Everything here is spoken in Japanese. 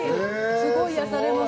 すごい癒やされます。